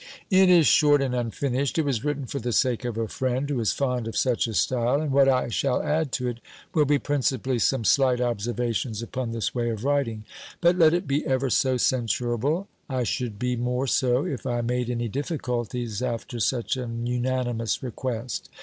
"It is short and unfinished. It was written for the sake of a friend, who is fond of such a style; and what I shall add to it, will be principally some slight observations upon this way of writing. But, let it be ever so censurable, I should be more so, if I made any difficulties after such an unanimous request."